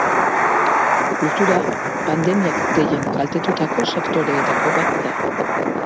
Kultura pandemiak gehien kaltetutako sektoreetako bat da.